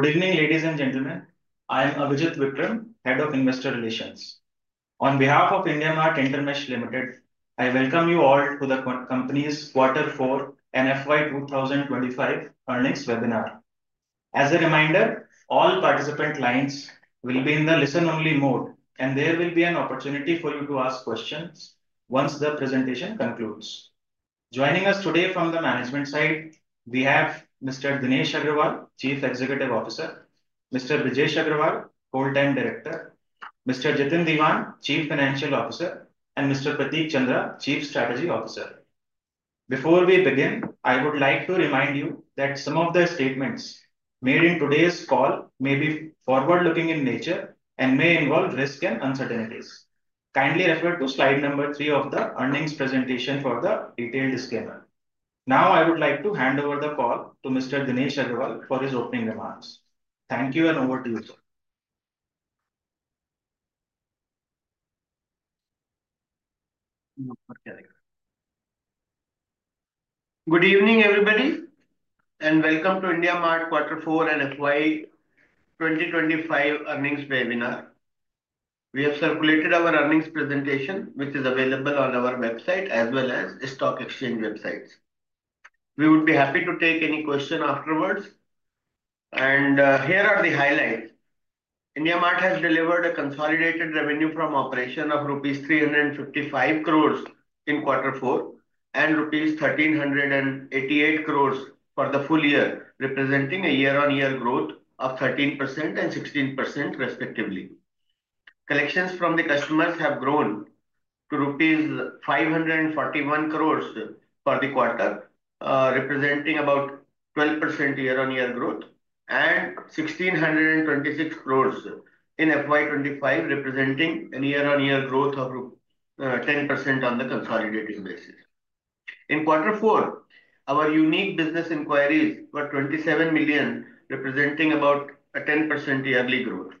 Good evening, ladies and gentlemen. I am Abhijeet Vikram, Head of Investor Relations. On behalf of IndiaMART InterMESH Limited, I welcome you all to the company's Q4 FY 2025 earnings webinar. As a reminder, all participant lines will be in the listen-only mode, and there will be an opportunity for you to ask questions once the presentation concludes. Joining us today from the management side, we have Mr. Dinesh Agrawal, Chief Executive Officer, Mr. Brijesh Agrawal, Full-Time Director, Mr. Jitin Diwan, Chief Financial Officer, and Mr. Prateek Chandra, Chief Strategy Officer. Before we begin, I would like to remind you that some of the statements made in today's call may be forward-looking in nature and may involve risk and uncertainties. Kindly refer to slide number 3 of the earnings presentation for the detailed disclaimer. Now, I would like to hand over the call to Mr.Dinesh Agrawal for his opening remarks. Thank you, and over to you, sir. Good evening, everybody, and welcome to IndiaMART Q4 FY 2025 earnings webinar. We have circulated our earnings presentation, which is available on our website as well as stock exchange websites. We would be happy to take any questions afterwards. Here are the highlights. IndiaMART has delivered a consolidated revenue from operation of rupees 355 crore in Q4 and rupees 1,388 crore for the full year, representing a year-on-year growth of 13% and 16%, respectively. Collections from the customers have grown to rupees 541 crore for the quarter, representing about 12% year-on-year growth, and 1,626 crore in FY25, representing a year-on-year growth of 10% on the consolidated basis. In Q4, our unique business inquiries were 27 million, representing about a 10% yearly growth.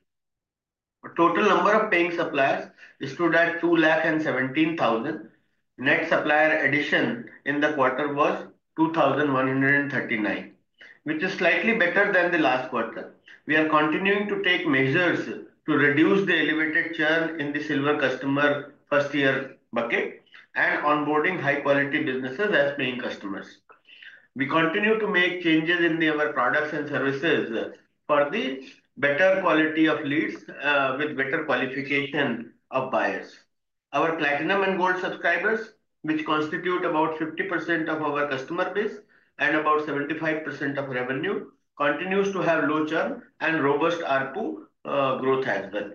The total number of paying suppliers is 217,000. Net supplier addition in the quarter was 2,139, which is slightly better than the last quarter. We are continuing to take measures to reduce the elevated churn in the Silver customer first-year bucket and onboarding high-quality businesses as paying customers. We continue to make changes in our products and services for the better quality of leads with better qualification of buyers. Our Platinum and Gold subscribers, which constitute about 50% of our customer base and about 75% of revenue, continue to have low churn and robust RPU growth as well.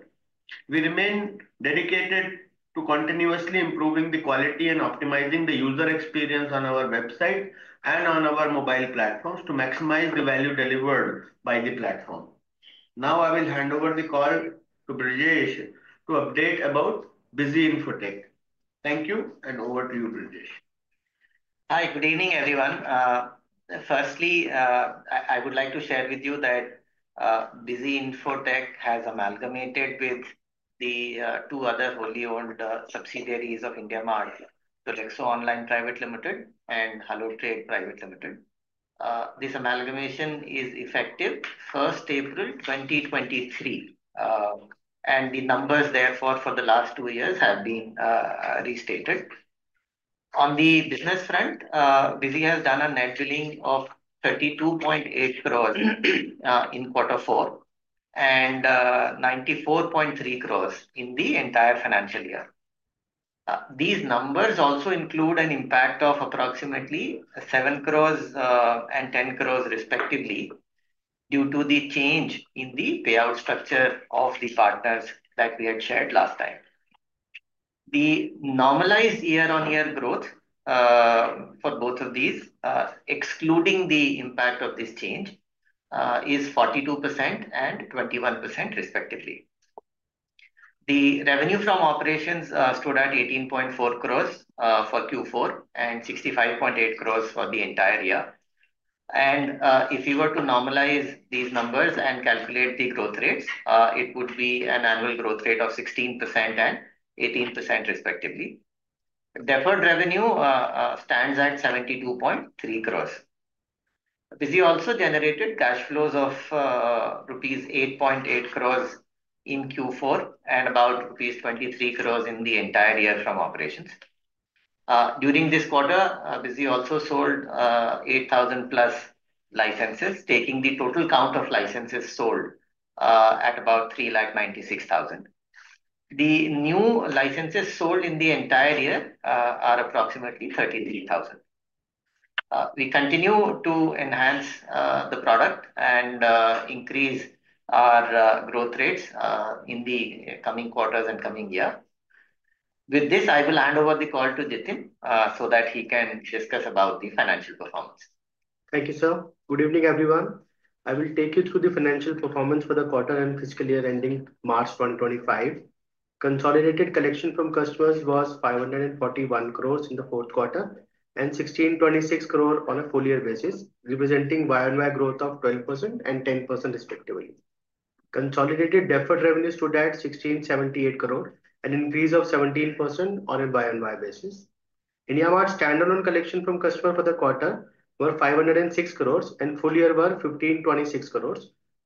We remain dedicated to continuously improving the quality and optimizing the user experience on our website and on our mobile platforms to maximize the value delivered by the platform. Now, I will hand over the call to Brijesh to update about Busy Infotech. Thank you, and over to you, Brijesh. Hi, good evening, everyone. Firstly, I would like to share with you that Busy Infotech has amalgamated with the two other wholly owned subsidiaries of IndiaMART, Tolexo Online Private Limited and Hello Trade Private Limited. This amalgamation is effective 1 April 2023, and the numbers, therefore, for the last two years have been restated. On the business front, Busy has done a net billing of 32.8 crore in Q4 and 94.3 crore in the entire financial year. These numbers also include an impact of approximately 7 crore and 10 crore, respectively, due to the change in the payout structure of the partners that we had shared last time. The normalized year-on-year growth for both of these, excluding the impact of this change, is 42% and 21%, respectively. The revenue from operations stood at 18.4 crore for Q4 and 65.8 crore for the entire year. If you were to normalize these numbers and calculate the growth rates, it would be an annual growth rate of 16% and 18%, respectively. Deferred revenue stands at 72.3 crore. Busy also generated cash flows of rupees 8.8 crore in Q4 and about rupees 23 crore in the entire year from operations. During this quarter, Busy also sold 8,000-plus licenses, taking the total count of licenses sold to about 396,000. The new licenses sold in the entire year are approximately 33,000. We continue to enhance the product and increase our growth rates in the coming quarters and coming year. With this, I will hand over the call to Jitin so that he can discuss the financial performance. Thank you, sir. Good evening, everyone. I will take you through the financial performance for the quarter and fiscal year ending March 2025. Consolidated collection from customers was 541 crore in the fourth quarter and 1,626 crore on a full-year basis, representing year-on-year growth of 12% and 10%, respectively. Consolidated deferred revenue stood at 1,678 crore, an increase of 17% on a year-on-year basis. IndiaMART standalone collection from customers for the quarter was 506 crore, and full-year was 1,526 crore,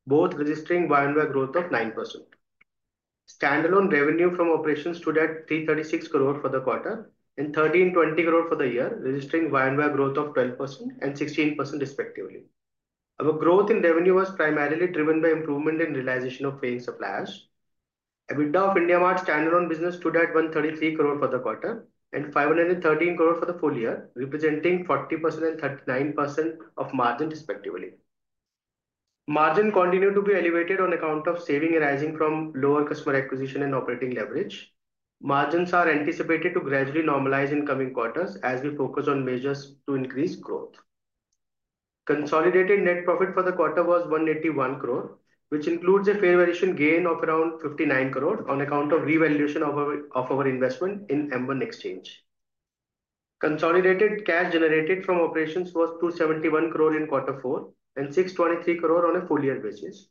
both registering year-on-year growth of 9%. Standalone revenue from operations stood at 336 crore for the quarter and 1,320 crore for the year, registering year-on-year growth of 12% and 16%, respectively. Our growth in revenue was primarily driven by improvement in realization of paying suppliers. EBITDA of IndiaMART standalone business stood at 133 crore for the quarter and 513 crore for the full year, representing 40% and 39% of margin, respectively. Margin continued to be elevated on account of saving arising from lower customer acquisition and operating leverage. Margins are anticipated to gradually normalize in coming quarters as we focus on measures to increase growth. Consolidated net profit for the quarter was 181 crore, which includes a fair variation gain of around 59 crore on account of revaluation of our investment in M1xchange. Consolidated cash generated from operations was 271 crore in Q4 and 623 crore on a full-year basis.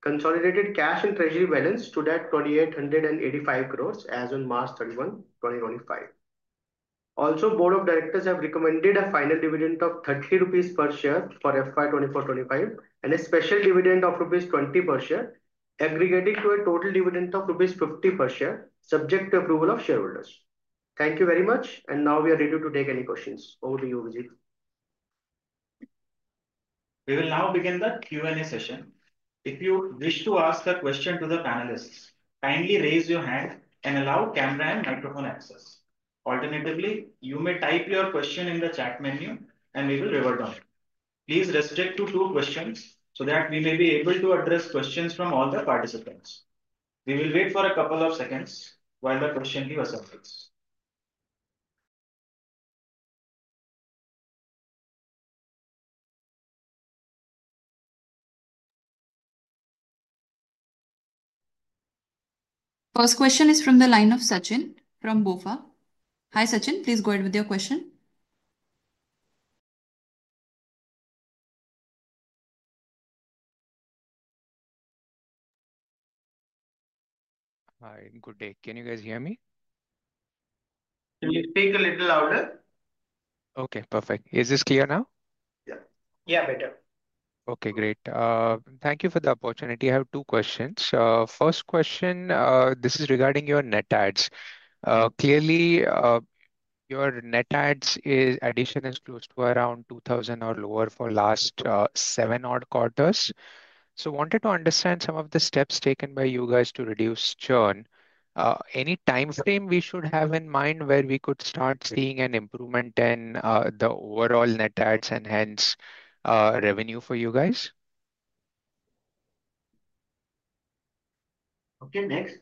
Consolidated cash and treasury balance stood at 2,885 crore as on March 31, 2025. Also, Board of Directors have recommended a final dividend of 30 rupees per share for FY 2024-2025 and a special dividend of rupees 20 per share, aggregating to a total dividend of rupees 50 per share, subject to approval of shareholders. Thank you very much, and now we are ready to take any questions. Over to you, Brijesh. We will now begin the Q&A session. If you wish to ask a question to the panelists, kindly raise your hand and allow camera and microphone access. Alternatively, you may type your question in the chat menu, and we will revert on it. Please restrict to two questions so that we may be able to address questions from all the participants. We will wait for a couple of seconds while the question key was submitted. First question is from the line of Sachin from Bank of America. Hi, Sachin. Please go ahead with your question. Hi, good day. Can you guys hear me? Can you speak a little louder? Okay, perfect. Is this clear now? Yeah, better. Okay, great. Thank you for the opportunity. I have two questions. First question, this is regarding your net adds. Clearly, your net adds addition is close to around 2,000 or lower for the last seven odd quarters. I wanted to understand some of the steps taken by you guys to reduce churn. Any time frame we should have in mind where we could start seeing an improvement in the overall net adds and hence revenue for you guys? Okay, next.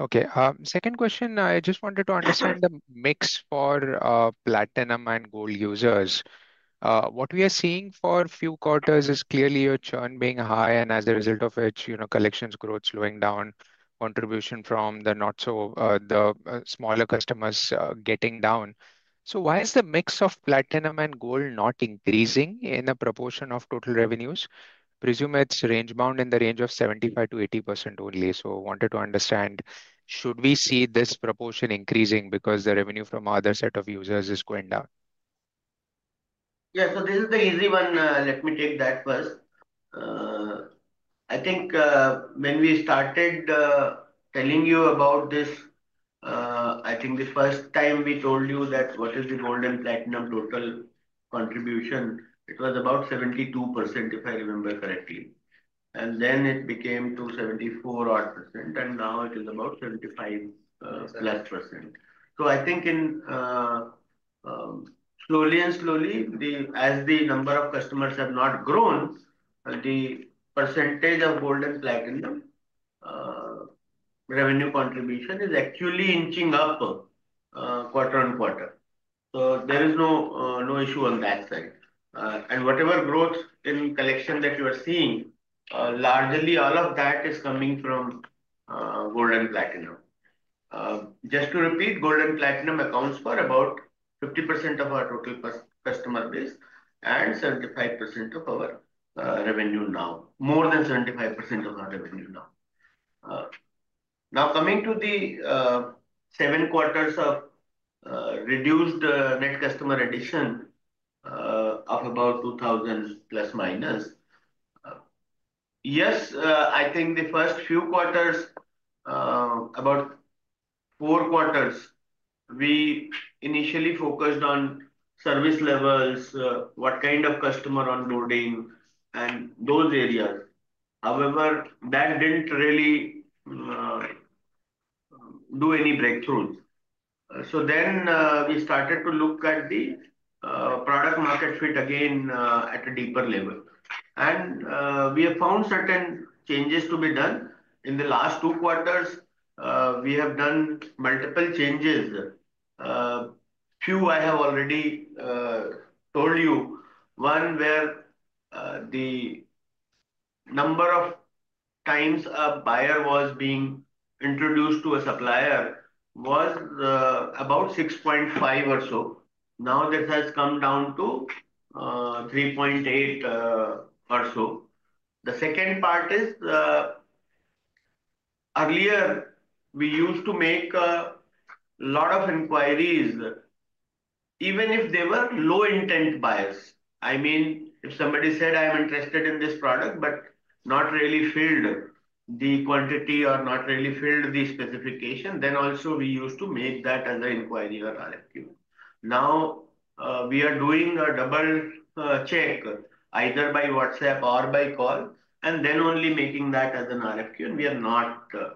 Okay. Second question, I just wanted to understand the mix for platinum and Gold users. What we are seeing for a few quarters is clearly your churn being high, and as a result of which, collections growth slowing down, contribution from the not-so-smaller customers getting down. Why is the mix of platinum and Gold not increasing in the proportion of total revenues? Presume it's rangebound in the range of 75%-80% only. I wanted to understand, should we see this proportion increasing because the revenue from another set of users is going down? Yeah, this is the easy one. Let me take that first. I think when we started telling you about this, the first time we told you what is the Gold and Platinum total contribution, it was about 72%, if I remember correctly. Then it became 74%, and now it is about 75-plus %. I think slowly and slowly, as the number of customers have not grown, the percentage of Gold and Platinum revenue contribution is actually inching up quarter on quarter. There is no issue on that side. Whatever growth in collection that you are seeing, largely all of that is coming from Gold and platinum. Just to repeat, Gold and platinum accounts for about 50% of our total customer base and 75% of our revenue now, more than 75% of our revenue now. Now, coming to the seven quarters of reduced net customer addition of about 2,000 plus minus, yes, I think the first few quarters, about four quarters, we initially focused on service levels, what kind of customer onboarding, and those areas. However, that didn't really do any breakthroughs. We started to look at the product-market fit again at a deeper level. We have found certain changes to be done. In the last two quarters, we have done multiple changes. A few I have already told you. One where the number of times a buyer was being introduced to a supplier was about 6.5 or so. Now this has come down to 3.8 or so. The second part is earlier, we used to make a lot of inquiries, even if they were low-intent buyers. I mean, if somebody said, "I'm interested in this product," but not really filled the quantity or not really filled the specification, then also we used to make that as an inquiry or RFQ. Now we are doing a double check either by WhatsApp or by call, and then only making that as an RFQ.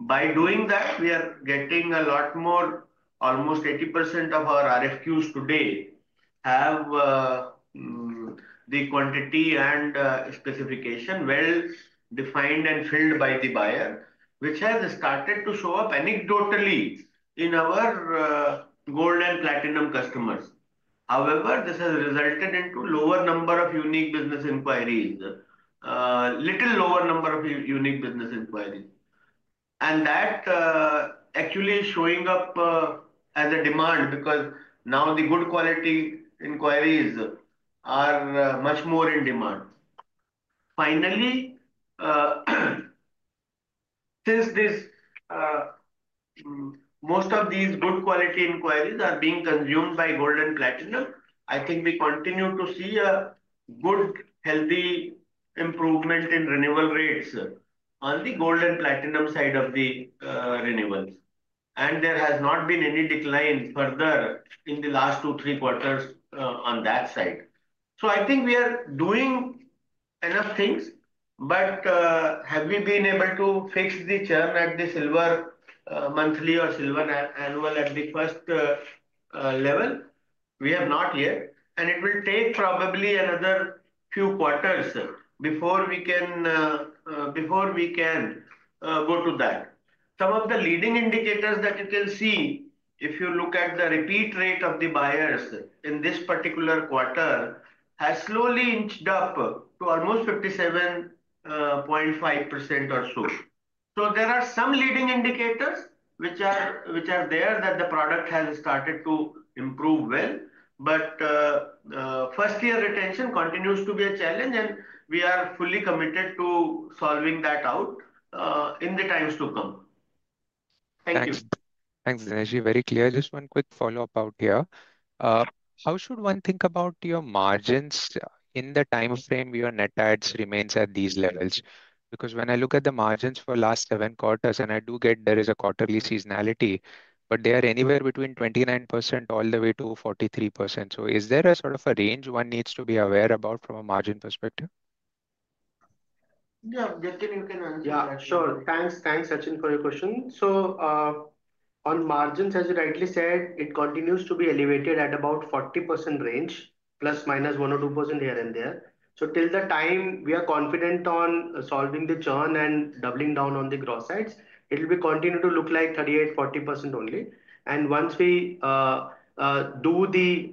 By doing that, we are getting a lot more. Almost 80% of our RFQs today have the quantity and specification well defined and filled by the buyer, which has started to show up anecdotally in our Gold and Platinum customers. However, this has resulted in a lower number of unique business inquiries, a little lower number of unique business inquiries. That actually is showing up as a demand because now the good quality inquiries are much more in demand. Finally, since most of these good quality inquiries are being consumed by Gold and Platinum, I think we continue to see a good, healthy improvement in renewal rates on the Gold and platinum side of the renewals. There has not been any decline further in the last two-three quarters on that side. I think we are doing enough things, but have we been able to fix the churn at the Silver monthly or Silver annual at the first level? We have not yet. It will take probably another few quarters before we can go to that. Some of the leading indicators that you can see, if you look at the repeat rate of the buyers in this particular quarter, has slowly inched up to almost 57.5% or so. There are some leading indicators which are there that the product has started to improve well. First-year retention continues to be a challenge, and we are fully committed to solving that out in the times to come. Thank you. Thanks, Brijesh. Very clear. Just one quick follow-up out here. How should one think about your margins in the time frame where net adds remain at these levels? Because when I look at the margins for the last seven quarters, and I do get there is a quarterly seasonality, but they are anywhere between 29% all the way to 43%. Is there a sort of a range one needs to be aware about from a margin perspective? Yeah, Brijesh, you can answer. Yeah, sure. Thanks, Sachin, for your question. On margins, as you rightly said, it continues to be elevated at about 40% range, plus minus 1% or 2% here and there. Till the time we are confident on solving the churn and doubling down on the gross adds, it will continue to look like 38%-40% only. Once we do the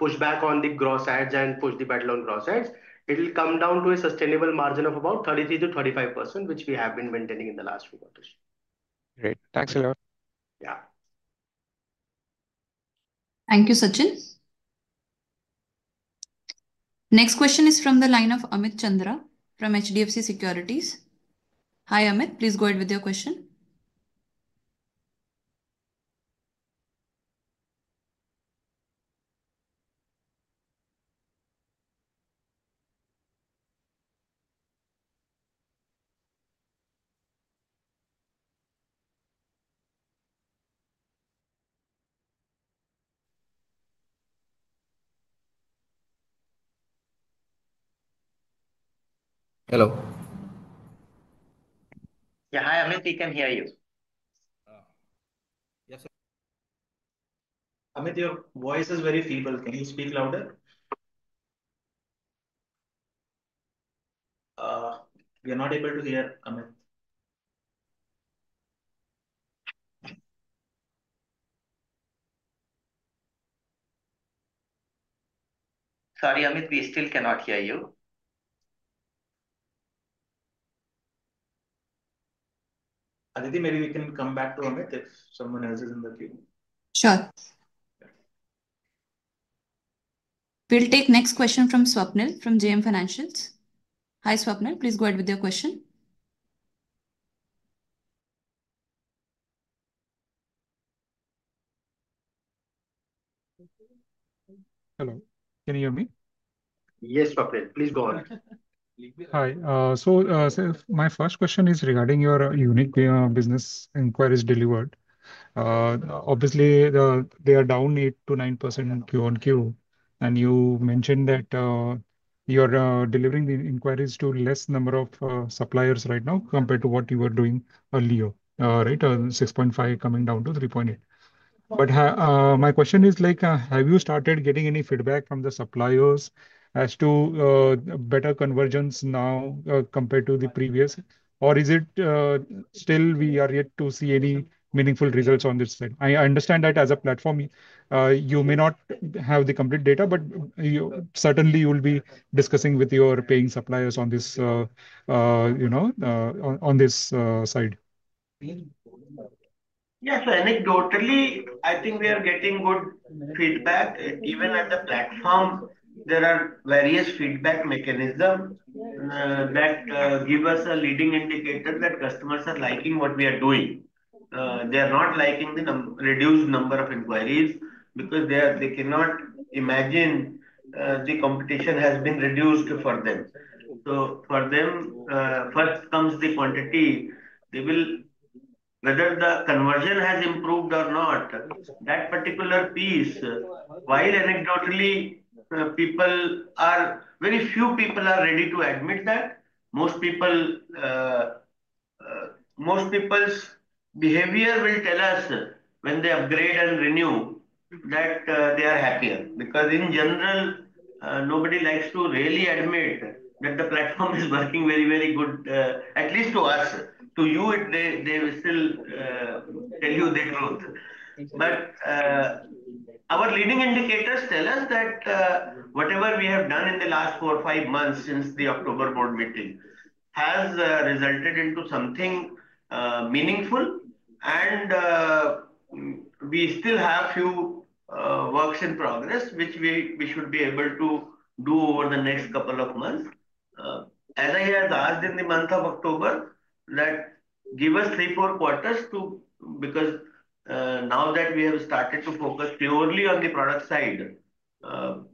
pushback on the gross adds and push the battle on gross adds, it will come down to a sustainable margin of about 33%-35%, which we have been maintaining in the last few quarters. Great. Thanks a lot. Yeah. Thank you, Sachin. Next question is from the line of Amit Chandra from HDFC Securities. Hi, Amit. Please go ahead with your question. Hello. Yeah, hi, Amit. We can hear you. Yes, sir. Amit, your voice is very feeble. Can you speak louder? We are not able to hear Amit. Sorry, Amit. We still cannot hear you. Aditi, maybe we can come back to Amit if someone else is in the queue. Sure. We'll take the next question from Swapnil from JM Financial. Hi, Swapnil. Please go ahead with your question. Hello. Can you hear me? Yes, Swapnil. Please go ahead. Hi. My first question is regarding your unique business inquiries delivered. Obviously, they are down 8%-9% Q1Q. You mentioned that you are delivering the inquiries to a lesser number of suppliers right now compared to what you were doing earlier, right? 6.5% coming down to 3.8%. My question is, have you started getting any feedback from the suppliers as to better convergence now compared to the previous? Or is it still we are yet to see any meaningful results on this side? I understand that as a platform, you may not have the complete data, but certainly, you will be discussing with your paying suppliers on this side. Yes, anecdotally, I think we are getting good feedback. Even at the platform, there are various feedback mechanisms that give us a leading indicator that customers are liking what we are doing. They are not liking the reduced number of inquiries because they cannot imagine the competition has been reduced for them. For them, first comes the quantity. Whether the conversion has improved or not, that particular piece, while anecdotally, very few people are ready to admit that. Most people's behavior will tell us when they upgrade and renew that they are happier because, in general, nobody likes to really admit that the platform is working very, very good, at least to us. To you, they will still tell you the truth. Our leading indicators tell us that whatever we have done in the last four or five months since the October board meeting has resulted into something meaningful. We still have a few works in progress, which we should be able to do over the next couple of months. As I had asked in the month of October, that give us three, four quarters because now that we have started to focus purely on the product side, until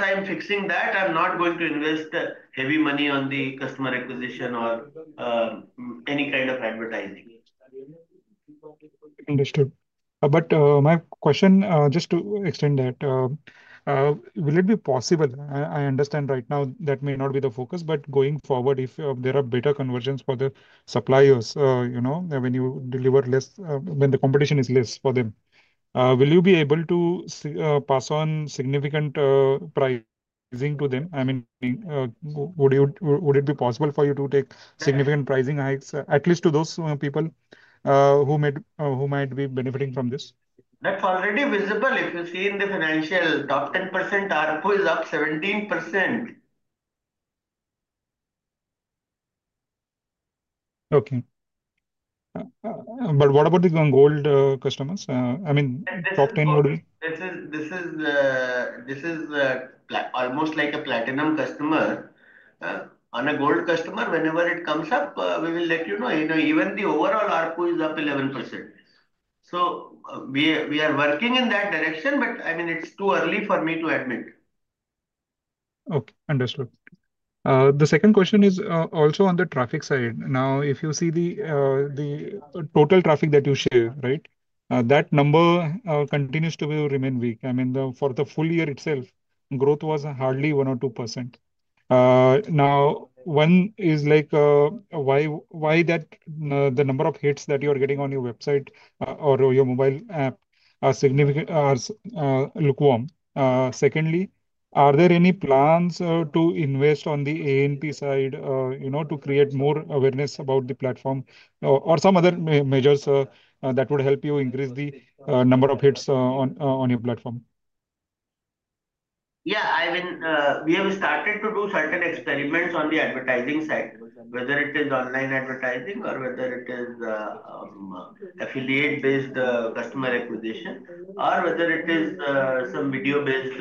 I'm fixing that, I'm not going to invest heavy money on the customer acquisition or any kind of advertising. Understood. My question, just to extend that, will it be possible? I understand right now that may not be the focus, but going forward, if there are better conversions for the suppliers when you deliver less, when the competition is less for them, will you be able to pass on significant pricing to them? I mean, would it be possible for you to take significant pricing hikes, at least to those people who might be benefiting from this? That's already visible. If you see in the financial, top 10%, ARPU is up 17%. Okay. What about the Gold customers? I mean, top 10 would be. This is almost like a Platinum customer. On a Gold customer, whenever it comes up, we will let you know. Even the overall ARPU is up 11%. We are working in that direction, but I mean, it's too early for me to admit. Okay. Understood. The second question is also on the traffic side. Now, if you see the total traffic that you share, right, that number continues to remain weak. I mean, for the full year itself, growth was hardly 1% or 2%. Now, one is why the number of hits that you are getting on your website or your mobile app are lukewarm? Secondly, are there any plans to invest on the A&P side to create more awareness about the platform or some other measures that would help you increase the number of hits on your platform? Yeah. I mean, we have started to do certain experiments on the advertising side, whether it is online advertising or whether it is affiliate-based customer acquisition or whether it is some video based.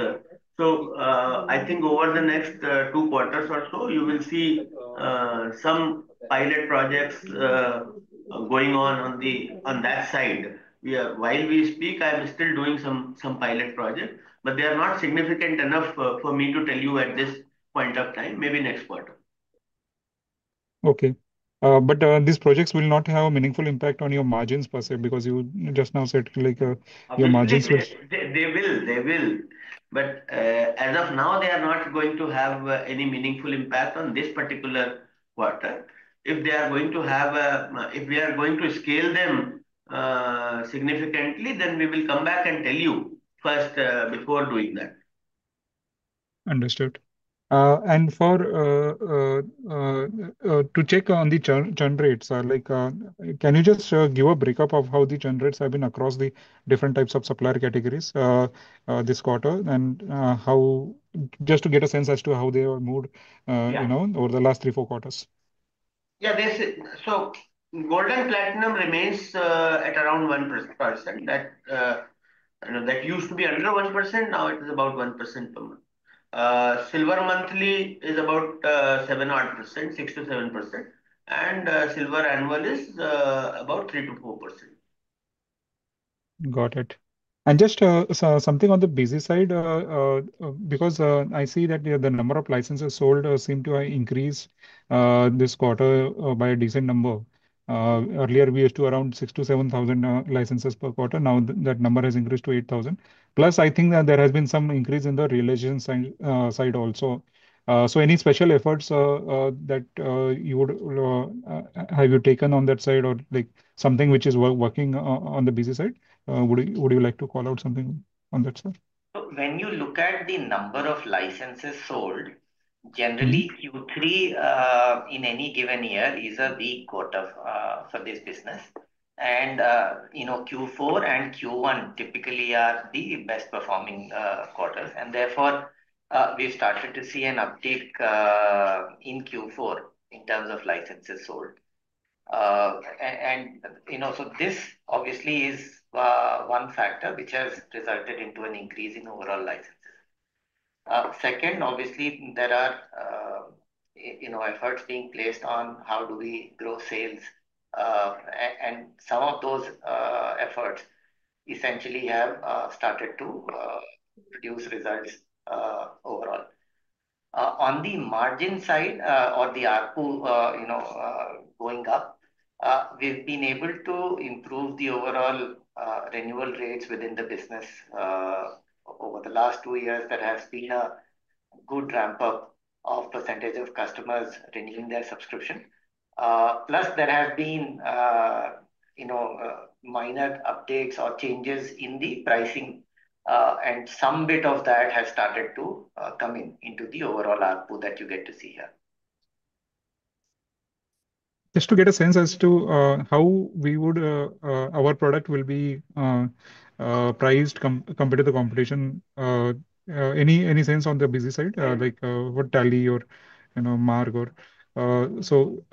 I think over the next two quarters or so, you will see some pilot projects going on on that side. While we speak, I'm still doing some pilot projects, but they are not significant enough for me to tell you at this point of time, maybe next quarter. Okay. These projects will not have a meaningful impact on your margins per se because you just now said your margins will. They will. They will. As of now, they are not going to have any meaningful impact on this particular quarter. If they are going to have a, if we are going to scale them significantly, then we will come back and tell you first before doing that. Understood. To check on the churn rates, can you just give a breakup of how the churn rates have been across the different types of supplier categories this quarter? Just to get a sense as to how they have moved over the last three, four quarters. Yeah. Gold and platinum remains at around 1%. That used to be under 1%. Now it is about 1% per month. Silver monthly is about 6%-7%. Silver annual is about 3%-4%. Got it. Just something on the Bizi side, because I see that the number of licenses sold seem to have increased this quarter by a decent number. Earlier, we used to have around 6,000-7,000 licenses per quarter. Now that number has increased to 8,000. Plus, I think that there has been some increase in the relation side also. Any special efforts that have you taken on that side or something which is working on the Bizi side? Would you like to call out something on that side? When you look at the number of licenses sold, generally, Q3 in any given year is a big quarter for this business. Q4 and Q1 typically are the best-performing quarters. Therefore, we have started to see an uptake in Q4 in terms of licenses sold. This, obviously, is one factor which has resulted in an increase in overall licenses. Second, obviously, there are efforts being placed on how do we grow sales. Some of those efforts essentially have started to produce results overall. On the margin side or the ARPU going up, we have been able to improve the overall renewal rates within the business over the last two years. There has been a good ramp-up of percentage of customers renewing their subscription. Plus, there have been minor updates or changes in the pricing. Some bit of that has started to come into the overall ARPU that you get to see here. Just to get a sense as to how our product will be priced compared to the competition, any sense on the Busy side, like what Tally or Marg or so?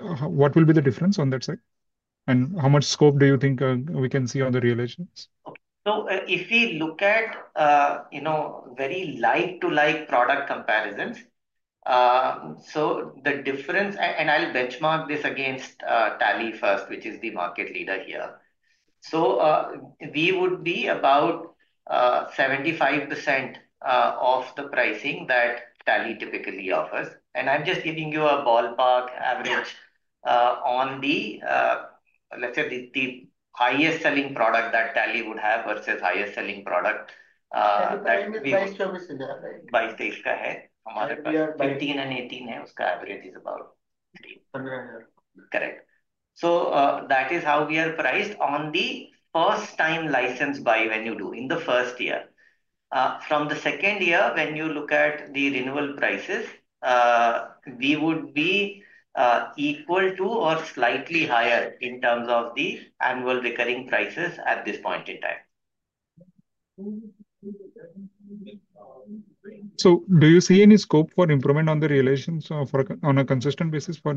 What will be the difference on that side? How much scope do you think we can see on the relations? If we look at very like-to-like product comparisons, the difference, and I'll benchmark this against Tally first, which is the market leader here, we would be about 75% off the pricing that Tally typically offers. I'm just giving you a ballpark average on the, let's say, the highest-selling product that Tally would have versus highest-selling product. The price tag is in there, right? Price tags are here. 15 and 18 is about. 15,000. Correct. That is how we are priced on the first-time license buy when you do in the first year. From the second year, when you look at the renewal prices, we would be equal to or slightly higher in terms of the annual recurring prices at this point in time. Do you see any scope for improvement on the relations on a consistent basis for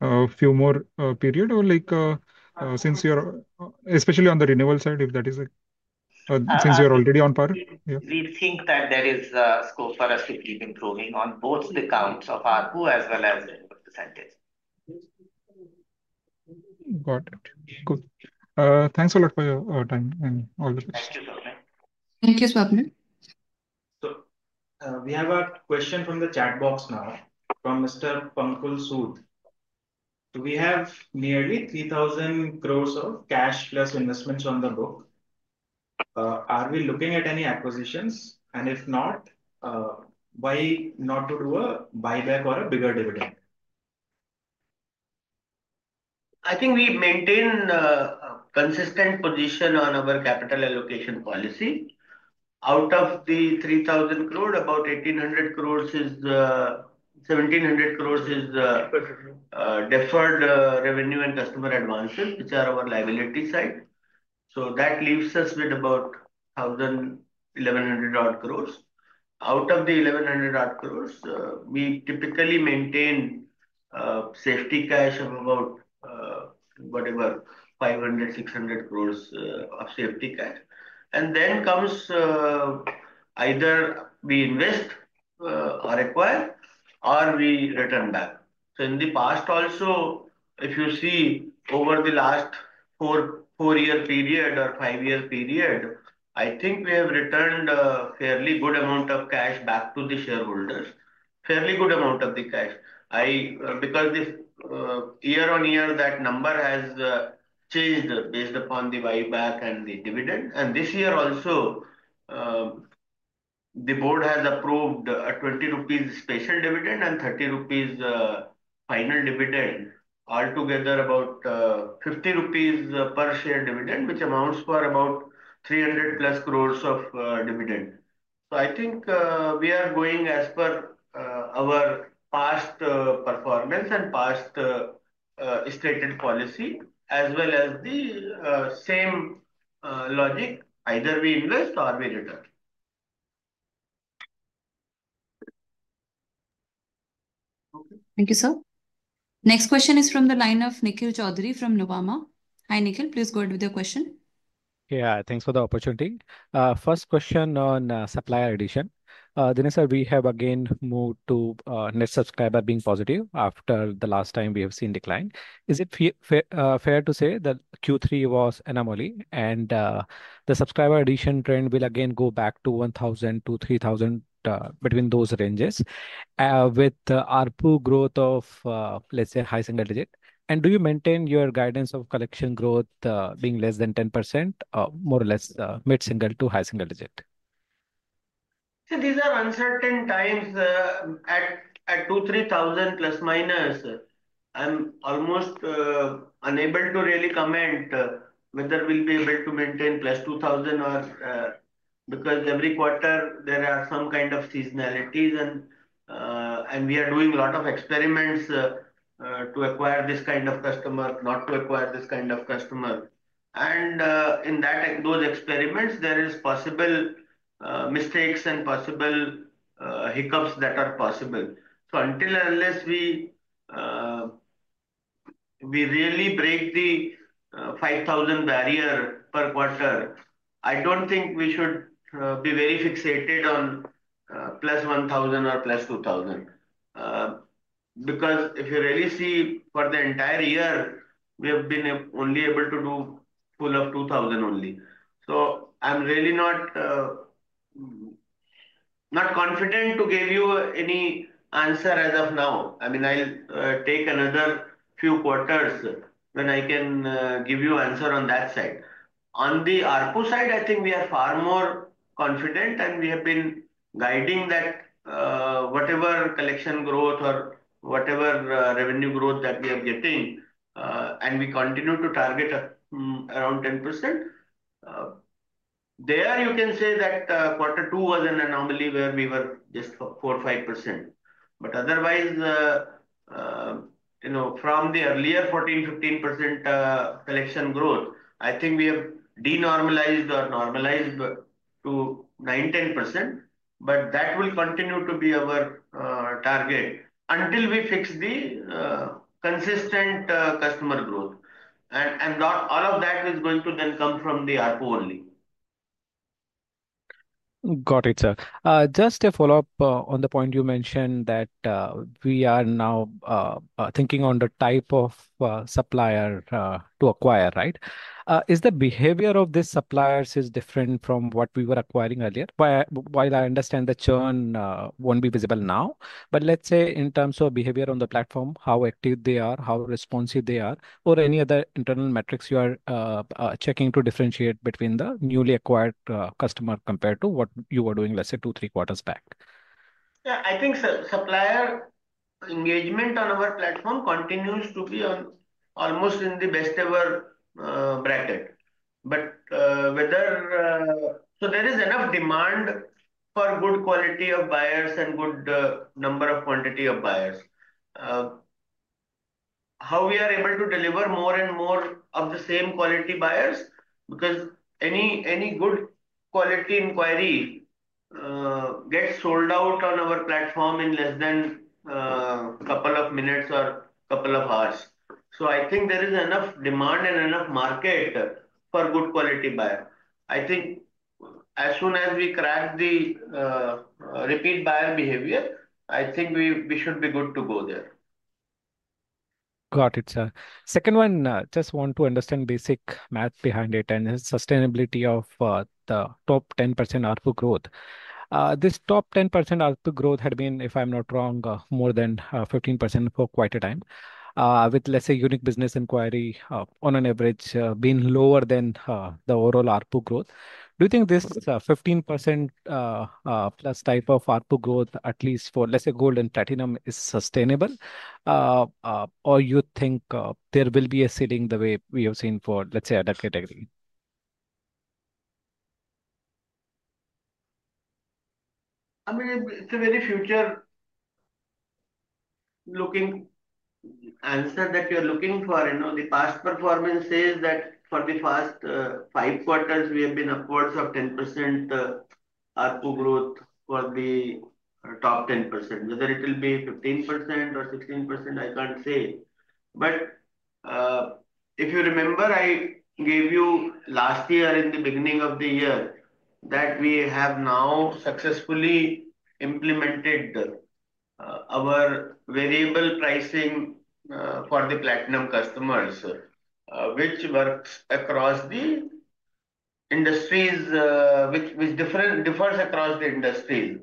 a few more periods or especially on the renewal side, since you're already on par? We think that there is scope for us to keep improving on both the counts of ARPU as well as the renewal percentage. Got it. Cool. Thanks a lot for your time and all the. Thank you, Swapnil. Thank you, Swapnil. We have a question from the chat box now from Mr. Pankaj Sood. Do we have nearly 3,000 crore of cash plus investments on the book? Are we looking at any acquisitions? If not, why not do a buyback or a bigger dividend? I think we maintain a consistent position on our capital allocation policy. Out of the 3,000 crore, about 1,800 crore to 1,700 crore is deferred revenue and customer advances, which are our liability side. That leaves us with about 1,100-odd crore. Out of the 1,100-odd crore, we typically maintain safety cash of about, whatever, 500-600 crore of safety cash. Then comes either we invest or acquire or we return back. In the past also, if you see over the last four-year period or five-year period, I think we have returned a fairly good amount of cash back to the shareholders, fairly good amount of the cash. Year on year, that number has changed based upon the buyback and the dividend. This year also, the board has approved an 20 rupees special dividend and 30 rupees final dividend, altogether about 50 rupees per share dividend, which amounts to about 300-plus crore of dividend. I think we are going as per our past performance and past stated policy, as well as the same logic, either we invest or we return. Thank you, sir. Next question is from the line of Nikhil Choudhary from Nomura. Hi, Nikhil. Please go ahead with your question. Yeah. Thanks for the opportunity. First question on supplier addition. Dinesh, we have again moved to net subscriber being positive after the last time we have seen decline. Is it fair to say that Q3 was anomaly? The subscriber addition trend will again go back to 1,000-3,000 between those ranges with ARPU growth of, let's say, high single digit. Do you maintain your guidance of collection growth being less than 10%, more or less mid-single to high single digit? These are uncertain times. At 2,000-3,000, plus minus, I'm almost unable to really comment whether we'll be able to maintain plus 2,000 or because every quarter, there are some kind of seasonalities. We are doing a lot of experiments to acquire this kind of customer, not to acquire this kind of customer. In those experiments, there are possible mistakes and possible hiccups that are possible. Until unless we really break the 5,000 barrier per quarter, I don't think we should be very fixated on plus 1,000 or plus 2,000. If you really see for the entire year, we have been only able to do full of 2,000 only. I'm really not confident to give you any answer as of now. I mean, I'll take another few quarters when I can give you an answer on that side. On the ARPU side, I think we are far more confident, and we have been guiding that whatever collection growth or whatever revenue growth that we are getting, and we continue to target around 10%. There, you can say that quarter two was an anomaly where we were just 4%-5%. Otherwise, from the earlier 14%-15% collection growth, I think we have denormalized or normalized to 9%-10%. That will continue to be our target until we fix the consistent customer growth. All of that is going to then come from the ARPU only. Got it, sir. Just a follow-up on the point you mentioned that we are now thinking on the type of supplier to acquire, right? Is the behavior of these suppliers different from what we were acquiring earlier? While I understand the churn won't be visible now, but let's say in terms of behavior on the platform, how active they are, how responsive they are, or any other internal metrics you are checking to differentiate between the newly acquired customer compared to what you were doing, let's say, two, three quarters back? Yeah, I think so. Supplier engagement on our platform continues to be almost in the best-ever bracket. There is enough demand for good quality of buyers and good number of quantity of buyers. How we are able to deliver more and more of the same quality buyers? Because any good quality inquiry gets sold out on our platform in less than a couple of minutes or a couple of hours. I think there is enough demand and enough market for good quality buyer. I think as soon as we crack the repeat buyer behavior, I think we should be good to go there. Got it, sir. Second one, just want to understand basic math behind it and sustainability of the top 10% ARPU growth. This top 10% ARPU growth had been, if I'm not wrong, more than 15% for quite a time, with, let's say, unique business inquiry on an average being lower than the overall ARPU growth. Do you think this 15%-plus type of ARPU growth, at least for, let's say, Gold and Platinum, is sustainable? Or you think there will be a ceiling the way we have seen for, let's say, other category? I mean, it's a very future-looking answer that you're looking for. The past performance says that for the past five quarters, we have been upwards of 10% ARPU growth for the top 10%. Whether it will be 15% or 16%, I can't say. If you remember, I gave you last year in the beginning of the year that we have now successfully implemented our variable pricing for the platinum customers, which works across the industries, which differs across the industries.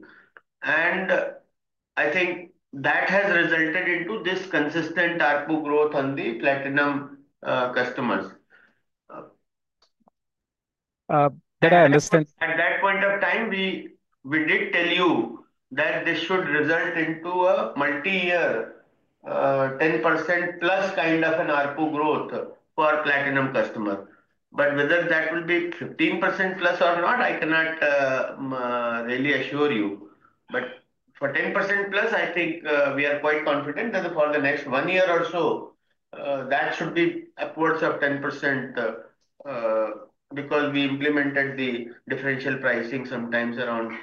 I think that has resulted into this consistent ARPU growth on the platinum customers. That I understand. At that point of time, we did tell you that this should result into a multi-year 10%‑plus kind of an ARPU growth for platinum customers. Whether that will be 15%‑plus or not, I cannot really assure you. For 10%‑plus, I think we are quite confident that for the next one year or so, that should be upwards of 10% because we implemented the differential pricing sometimes around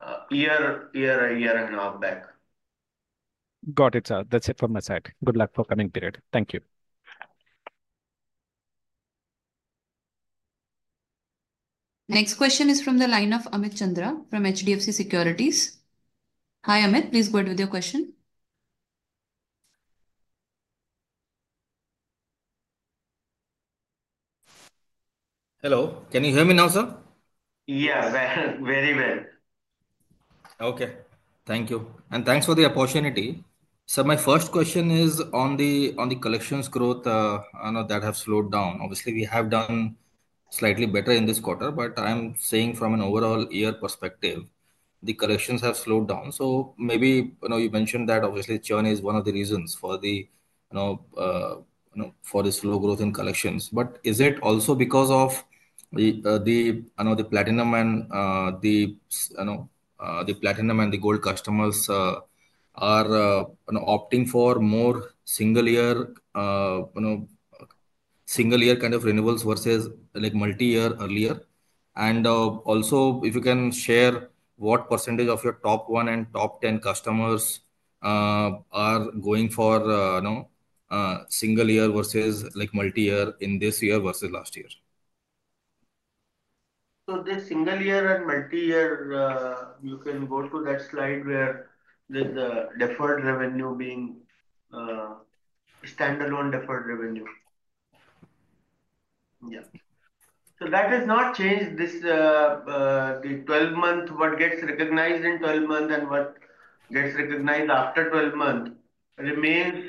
a year and a half back. Got it, sir. That's it from my side. Good luck for the coming period. Thank you. Next question is from the line of Amit Chandra from HDFC Securities. Hi, Amit. Please go ahead with your question. Hello. Can you hear me now, sir? Yes, very well. Okay. Thank you. Thanks for the opportunity. Sir, my first question is on the collections growth that have slowed down. Obviously, we have done slightly better in this quarter, but I'm saying from an overall year perspective, the collections have slowed down. You mentioned that churn is one of the reasons for this slow growth in collections. Is it also because the Platinum and the Gold customers are opting for more single-year kind of renewals versus multi-year earlier? Also, if you can share what percentage of your top one and top ten customers are going for single-year versus multi-year in this year versus last year? The single-year and multi-year, you can go to that slide where there's the deferred revenue being standalone deferred revenue. Yeah. That has not changed. The 12-month, what gets recognized in 12-month and what gets recognized after 12-month remains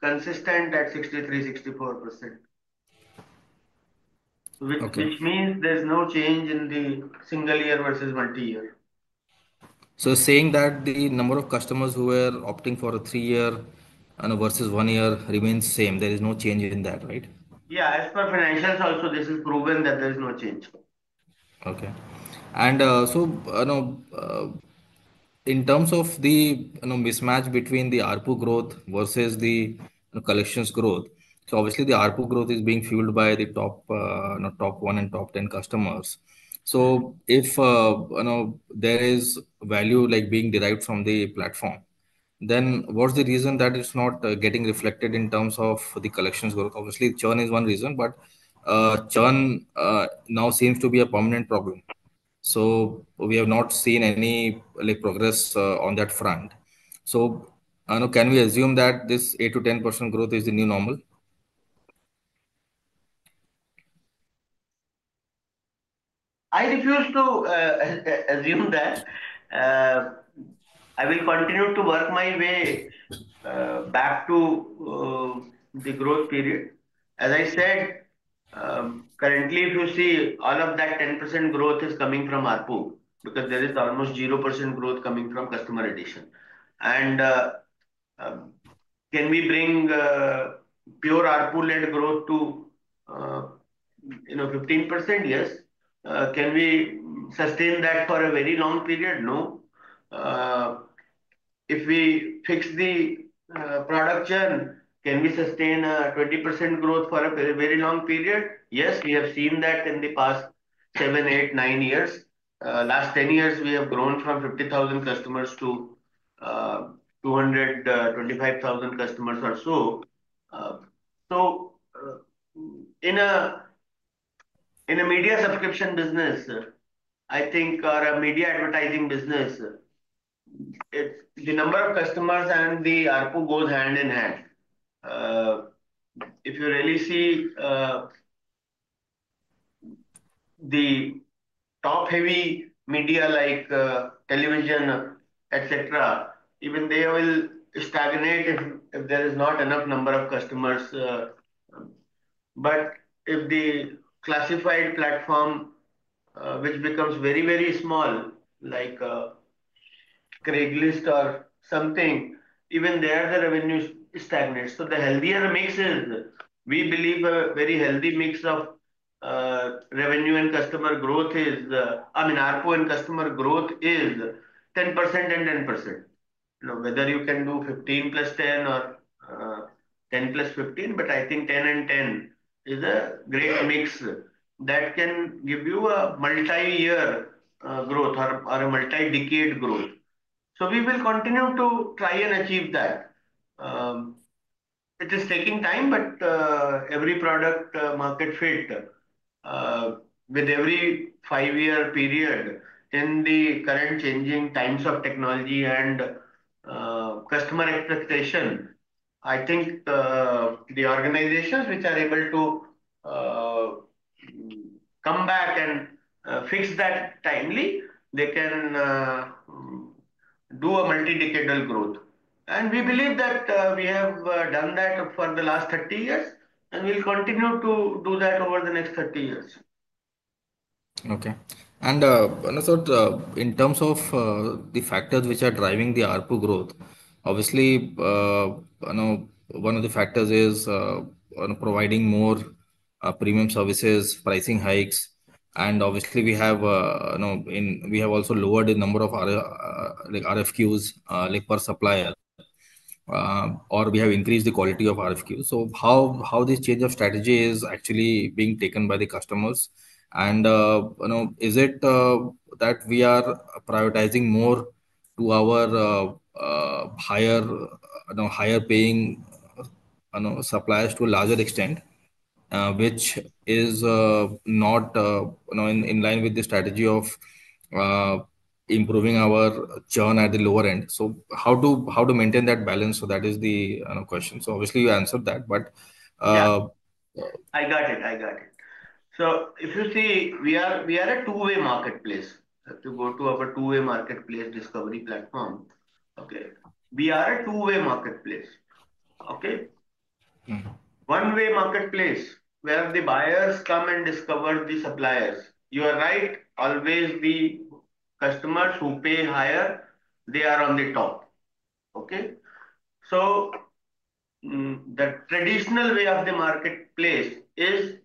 consistent at 63%-64%, which means there's no change in the single-year versus multi-year. Saying that the number of customers who were opting for a three-year versus one-year remains same. There is no change in that, right? Yeah. As per financials, also, this is proven that there is no change. Okay. In terms of the mismatch between the ARPU growth versus the collections growth, the ARPU growth is being fueled by the top one and top ten customers. If there is value being derived from the platform, then what is the reason that it is not getting reflected in terms of the collections growth? Churn is one reason, but churn now seems to be a permanent problem. We have not seen any progress on that front. Can we assume that this 8%-10% growth is the new normal? I refuse to assume that. I will continue to work my way back to the growth period. As I said, currently, if you see all of that 10% growth is coming from ARPU because there is almost 0% growth coming from customer addition. Can we bring pure ARPU-led growth to 15%? Yes. Can we sustain that for a very long period? No. If we fix the production, can we sustain 20% growth for a very long period? Yes. We have seen that in the past seven, eight, nine years. In the last 10 years, we have grown from 50,000 customers to 225,000 customers or so. In a media subscription business, I think, or a media advertising business, the number of customers and the ARPU goes hand in hand. If you really see the top-heavy media like television, etc., even they will stagnate if there is not enough number of customers. If the classified platform, which becomes very, very small, like Craigslist or something, even there, the revenue stagnates. The healthier mix is we believe a very healthy mix of revenue and customer growth is, I mean, ARPU and customer growth is 10% and 10%. Whether you can do 15% plus 10% or 10% plus 15%, I think 10% and 10% is a great mix that can give you a multi-year growth or a multi-decade growth. We will continue to try and achieve that. It is taking time, but every product market fit with every five-year period in the current changing times of technology and customer expectation. I think the organizations which are able to come back and fix that timely, they can do a multi-decadal growth. We believe that we have done that for the last 30 years, and we'll continue to do that over the next 30 years. Okay. In terms of the factors which are driving the ARPU growth, obviously, one of the factors is providing more premium services, pricing hikes. Obviously, we have also lowered the number of RFQs per supplier, or we have increased the quality of RFQs. How is this change of strategy actually being taken by the customers? Is it that we are prioritizing more to our higher-paying suppliers to a larger extent, which is not in line with the strategy of improving our churn at the lower end? How to maintain that balance? That is the question. Obviously, you answered that, but. Yeah. I got it. I got it. If you see, we are a two-way marketplace. If you go to our two-way marketplace discovery platform, we are a two-way marketplace. One-way marketplace where the buyers come and discover the suppliers. You are right. Always the customers who pay higher, they are on the top. The traditional way of the marketplace is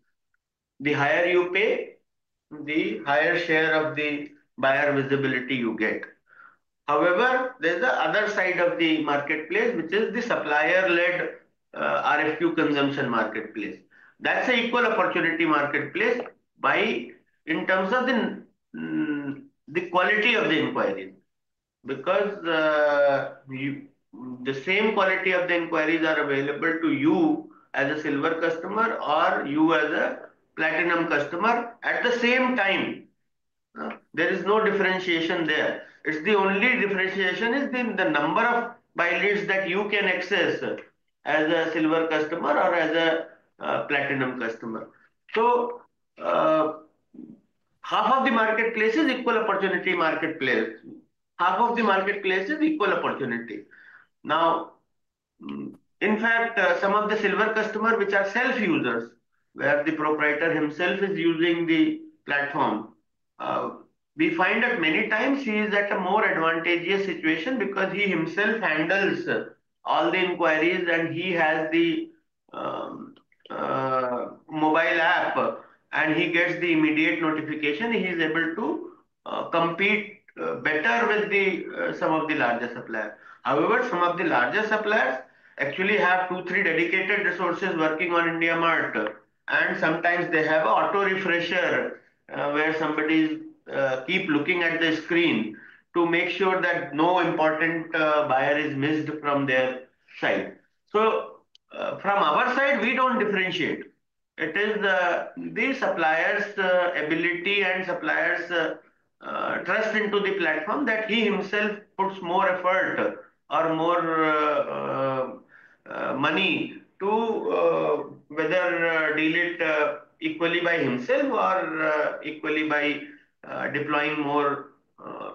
the higher you pay, the higher share of the buyer visibility you get. However, there is the other side of the marketplace, which is the supplier-led RFQ consumption marketplace. That is an equal opportunity marketplace in terms of the quality of the inquiries because the same quality of the inquiries are available to you as a Silver customer or you as a platinum customer at the same time. There is no differentiation there. The only differentiation is the number of buyers that you can access as a Silver customer or as a platinum customer. Half of the marketplace is equal opportunity marketplace. Half of the marketplace is equal opportunity. In fact, some of the Silver customers, which are self-users, where the proprietor himself is using the platform, we find that many times he is at a more advantageous situation because he himself handles all the inquiries, and he has the mobile app, and he gets the immediate notification. He is able to compete better with some of the larger suppliers. However, some of the larger suppliers actually have two, three dedicated resources working on IndiaMART, and sometimes they have an auto refresher where somebody keeps looking at the screen to make sure that no important buyer is missed from their side. From our side, we do not differentiate. It is the supplier's ability and supplier's trust into the platform that he himself puts more effort or more money to whether deal it equally by himself or equally by deploying more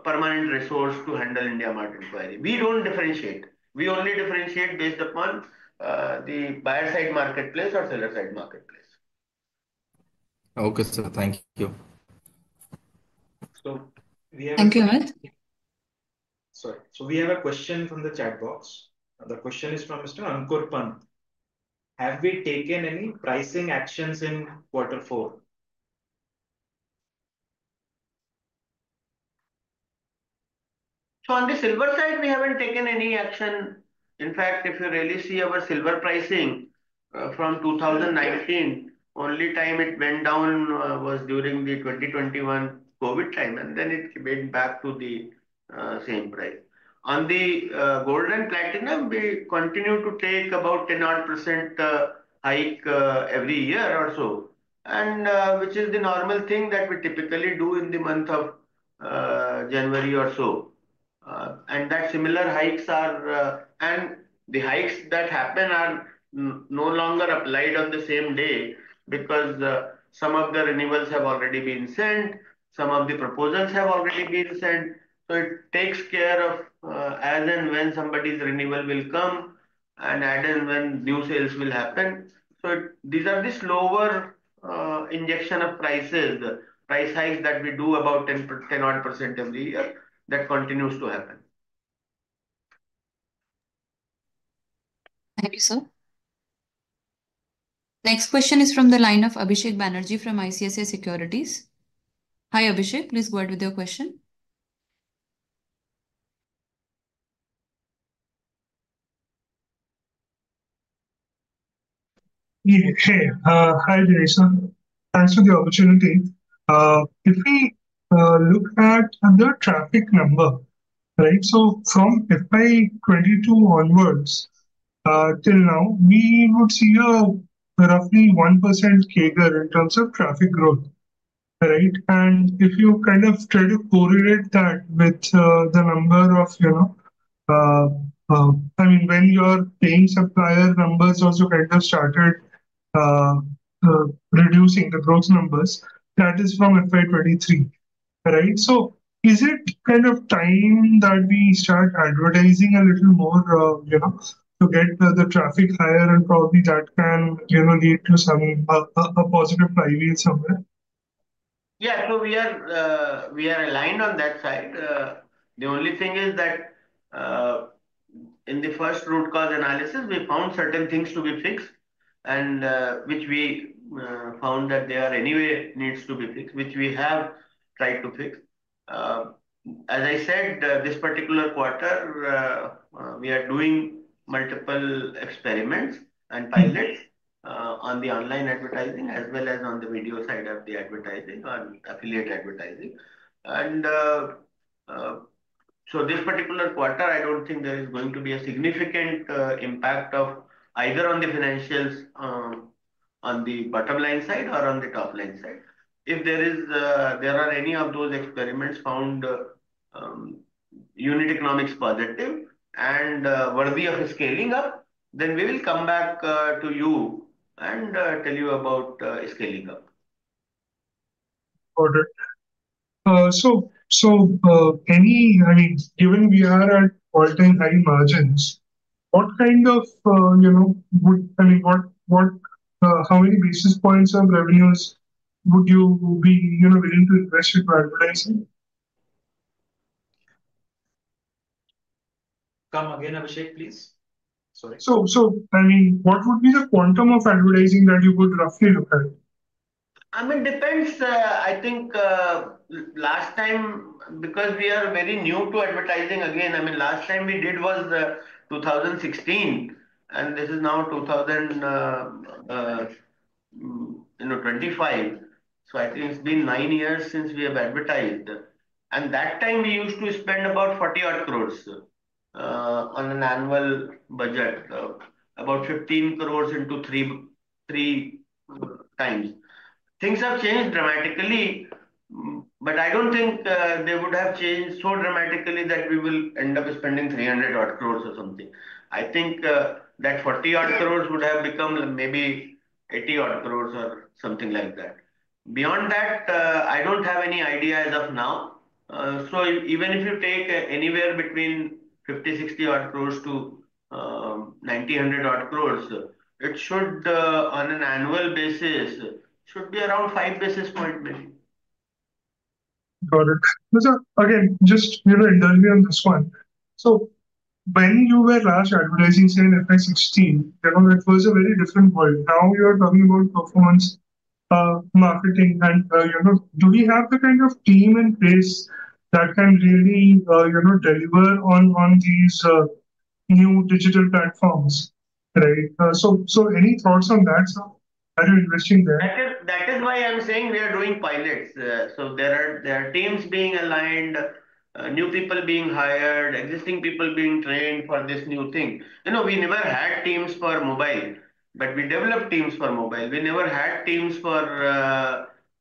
permanent resource to handle IndiaMART inquiry. We do not differentiate. We only differentiate based upon the buyer-side marketplace or seller-side marketplace. Okay, sir. Thank you. Thank you, Amit. Sorry. We have a question from the chat box. The question is from Mr. Ankur Pant. Have we taken any pricing actions in quarter four? On the Silver side, we haven't taken any action. In fact, if you really see our Silver pricing from 2019, the only time it went down was during the 2021 COVID time, and then it went back to the same price. On the Gold and Platinum, we continue to take about 10% hike every year or so, which is the normal thing that we typically do in the month of January or so. That similar hikes are, and the hikes that happen are no longer applied on the same day because some of the renewals have already been sent. Some of the proposals have already been sent. It takes care of as and when somebody's renewal will come and as and when new sales will happen. These are the slower injection of prices, the price hikes that we do about 10-odd % every year that continues to happen. Thank you, sir. Next question is from the line of Abhishek Banerjee from ICICI Securities. Hi, Abhishek. Please go ahead with your question. Yeah. Okay. Thanks for the opportunity. If we look at the traffic number, right, from FY 2022 onwards till now, we would see a roughly 1% CAGR in terms of traffic growth, right? If you kind of try to correlate that with the number of, I mean, when your paying supplier numbers also kind of started reducing the growth numbers, that is from FY 2023, right? Is it kind of time that we start advertising a little more to get the traffic higher, and probably that can lead to a positive flywheel somewhere? Yeah. We are aligned on that side. The only thing is that in the first root cause analysis, we found certain things to be fixed, which we found that there are anyway needs to be fixed, which we have tried to fix. As I said, this particular quarter, we are doing multiple experiments and pilots on the online advertising as well as on the video side of the advertising or affiliate advertising. This particular quarter, I don't think there is going to be a significant impact of either on the financials on the bottom line side or on the top line side. If there are any of those experiments found unit economics positive and worthy of scaling up, then we will come back to you and tell you about scaling up. I mean, given we are at all-time high margins, what kind of, I mean, how many basis points of revenues would you be willing to invest into advertising? Come again, Abhishek, please. Sorry. I mean, what would be the quantum of advertising that you would roughly look at? I mean, it depends. I think last time because we are very new to advertising, again, I mean, last time we did was 2016, and this is now 2025. I think it has been nine years since we have advertised. At that time, we used to spend about 40-odd crore on an annual budget, about 15 crore into three times. Things have changed dramatically, but I do not think they would have changed so dramatically that we will end up spending 300-odd crore or something. I think that 40-odd crore would have become maybe 80-odd crore or something like that. Beyond that, I do not have any idea as of now. Even if you take anywhere between 50-60-odd crore to 90-100-odd crore, it should, on an annual basis, be around five basis points maybe. Got it. Again, just interview on this one. When you were last advertising, say, in FY 2016, it was a very different world. Now you are talking about performance marketing. Do we have the kind of team in place that can really deliver on these new digital platforms, right? Any thoughts on that? Are you investing there? That is why I'm saying we are doing pilots. There are teams being aligned, new people being hired, existing people being trained for this new thing. We never had teams for mobile, but we developed teams for mobile. We never had teams for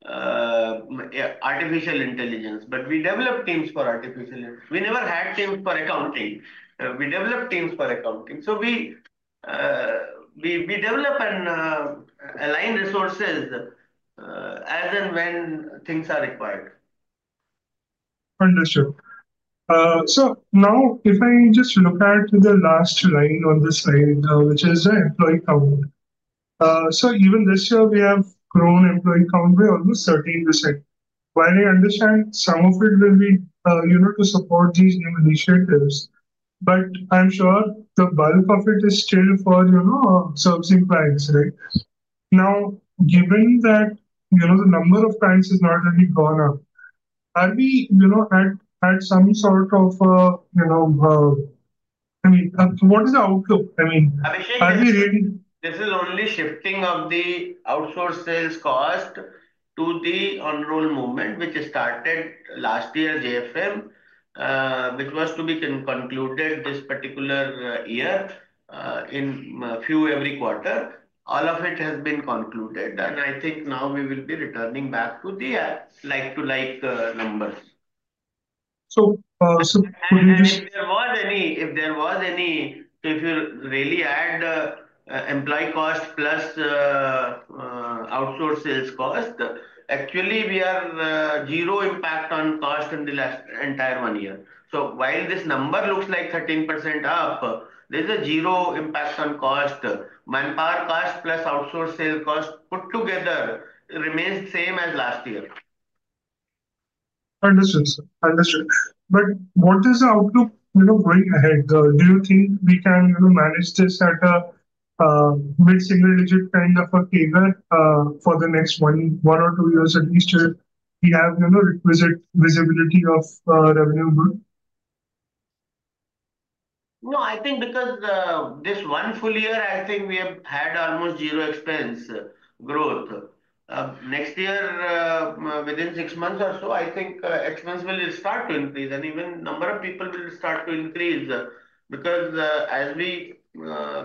artificial intelligence, but we developed teams for artificial intelligence. We never had teams for accounting. We developed teams for accounting. We develop and align resources as and when things are required. Understood. Now, if I just look at the last line on this side, which is the employee count. Even this year, we have grown employee count by almost 13%. While I understand some of it will be to support these new initiatives, I am sure the bulk of it is still for servicing clients, right? Now, given that the number of clients has not really gone up, are we at some sort of, I mean, what is the outlook? I mean, are we ready? This is only shifting of the outsource sales cost to the on-roll movement, which started last year, JFM, which was to be concluded this particular year in few every quarter. All of it has been concluded, and I think now we will be returning back to the like-to-like numbers. Could you just? If you really add employee cost plus outsource sales cost, actually, we are zero impact on cost in the entire one year. While this number looks like 13% up, there is zero impact on cost. Manpower cost plus outsource sales cost put together remains the same as last year. Understood, sir. Understood. What is the outlook going ahead? Do you think we can manage this at a mid-single-digit kind of a CAGR for the next one or two years at least, where we have requisite visibility of revenue growth? No, I think because this one full year, I think we have had almost zero expense growth. Next year, within six months or so, I think expense will start to increase, and even the number of people will start to increase because as we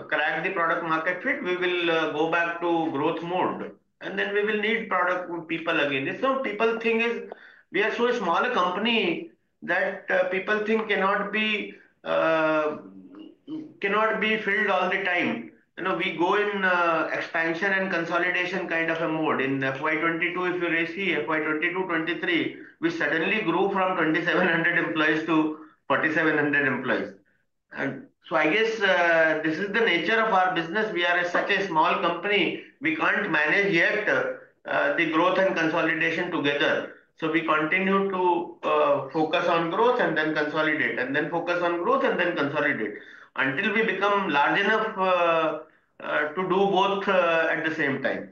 crack the product-market fit, we will go back to growth mode, and then we will need product people again. People think we are so small a company that people think cannot be filled all the time. We go in expansion and consolidation kind of a mode. In FY 2022, if you see FY 2022, 2023, we suddenly grew from 2,700 employees to 4,700 employees. I guess this is the nature of our business. We are such a small company. We can't manage yet the growth and consolidation together. We continue to focus on growth and then consolidate, and then focus on growth and then consolidate until we become large enough to do both at the same time.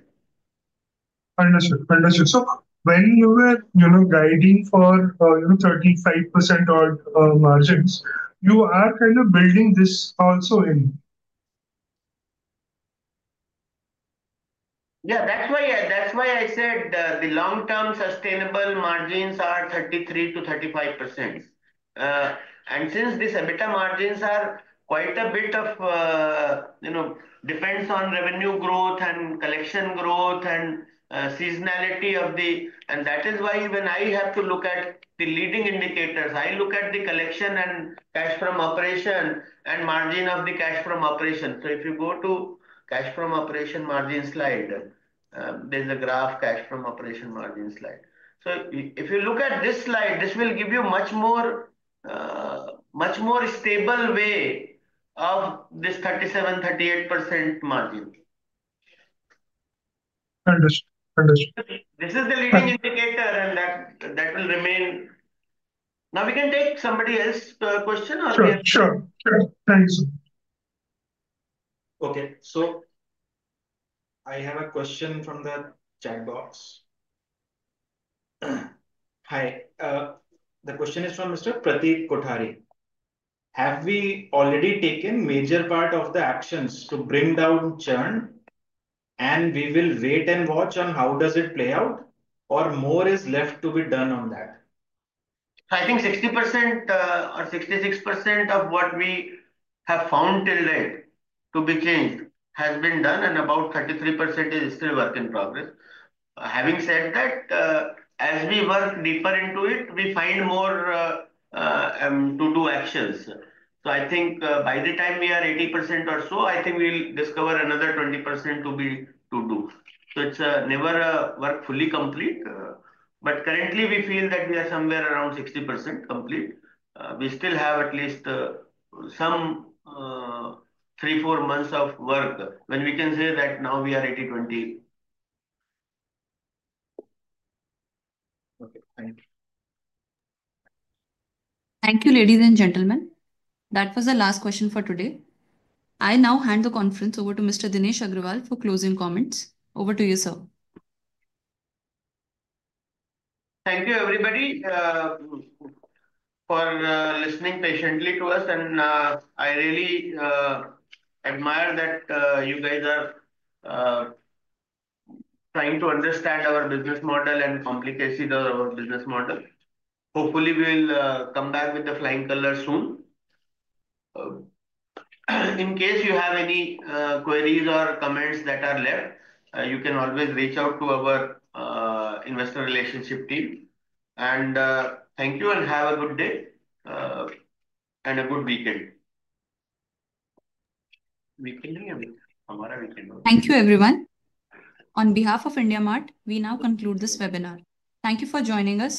Understood. Understood. When you were guiding for 35%-odd margins, you are kind of building this also in? Yeah. That's why I said the long-term sustainable margins are 33-35%. Since these EBITDA margins are quite a bit of depends on revenue growth and collection growth and seasonality of the, and that is why when I have to look at the leading indicators, I look at the collection and cash from operation and margin of the cash from operation. If you go to cash from operation margin slide, there's a graph, cash from operation margin slide. If you look at this slide, this will give you a much more stable way of this 37-38% margin. Understood. Understood. This is the leading indicator, and that will remain. Now, we can take somebody else's question, or? Sure. Sure. Thanks. Okay. So I have a question from the chat box. Hi. The question is from Mr. Pratik Kothari. Have we already taken major part of the actions to bring down churn, and we will wait and watch on how does it play out, or more is left to be done on that? I think 60% or 66% of what we have found till date to be changed has been done, and about 33% is still work in progress. Having said that, as we work deeper into it, we find more to do actions. I think by the time we are 80% or so, I think we'll discover another 20% to do. It is never work fully complete. Currently, we feel that we are somewhere around 60% complete. We still have at least some three, four months of work when we can say that now we are 80, 20. Okay. Thank you. Thank you, ladies and gentlemen. That was the last question for today. I now hand the conference over to Mr. Dinesh Agrawal for closing comments. Over to you, sir. Thank you, everybody, for listening patiently to us. I really admire that you guys are trying to understand our business model and complicated our business model. Hopefully, we'll come back with the flying color soon. In case you have any queries or comments that are left, you can always reach out to our investor relationship team. Thank you, and have a good day and a good weekend. Thank you, everyone. On behalf of IndiaMART, we now conclude this webinar. Thank you for joining us.